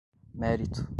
mérito